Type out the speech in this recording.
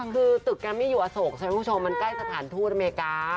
คือตึกการ์มมีอยู่อโศกมันใกล้สถานทูตอเมริกา